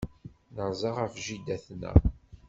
Nerza ɣef jida-tneɣ.